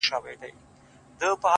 دغه نجلۍ نن له هيندارې څخه زړه راباسي”